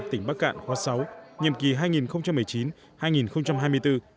tỉnh bắc cạn khóa sáu nhiệm kỳ hai nghìn một mươi chín hai nghìn hai mươi bốn